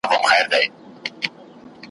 نن خمار یمه راغلی پیمانې چي هېر مي نه کي `